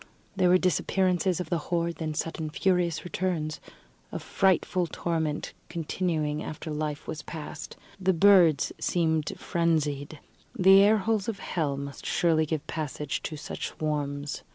There were disappearances of the horde, then sudden furious returns a frightful torment continuing after life was past. The birds seemed frenzied. The air holes of hell must surely give passage to such swarms.